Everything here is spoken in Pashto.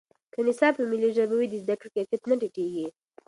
که نصاب په ملي ژبه وي، د زده کړې کیفیت نه ټیټېږي.